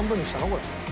これ。